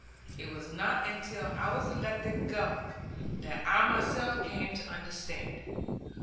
It was not until I was elected Governor that I myself came to understand it.